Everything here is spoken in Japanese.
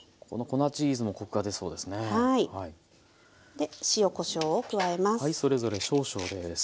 で塩こしょうを加えます。